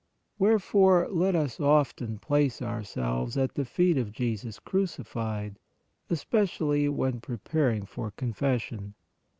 Wherefore let us often place ourselves at the feet of Jesus crucified, especially when preparing for confession.